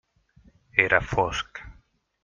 Era fosc.